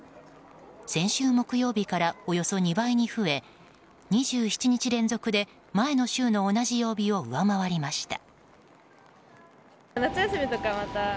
先週木曜日からおよそ２倍に増え２７日連続で前の週の同じ曜日を上回りました。